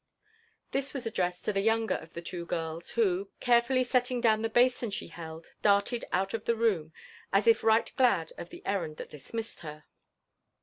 This was addressed to the younger of the two girls, who, carefully setting down the basin She held, darted out of the room, as if right glad of the errand that dismissed her.